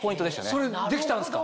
それできたんですか？